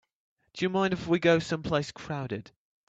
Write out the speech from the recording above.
Do you mind if we go someplace crowded?